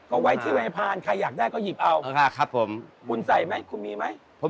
ก็ไว้ที่ไว้พานใครอยากได้ก็หยิบเอาคุณใส่ไหมคุณมีไหมครับครับผม